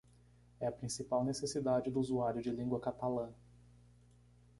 É a principal necessidade do usuário de língua catalã.